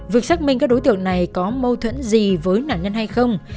việc xác minh các đối tượng này có mâu thuẫn gì với nạn nhân hay không